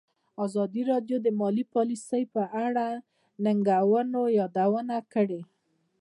ازادي راډیو د مالي پالیسي په اړه د ننګونو یادونه کړې.